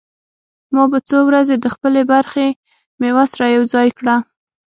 ما به څو ورځې د خپلې برخې مېوه سره يوځاى کړه.